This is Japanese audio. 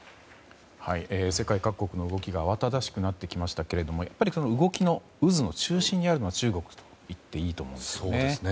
世界各国の動きが慌ただしくなってきましたがやっぱり動きの渦の中心にあるのは中国といっていいと思うんですよね。